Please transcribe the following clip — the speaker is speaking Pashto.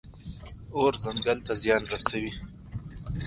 اور ځنګل ته زیان رسوي.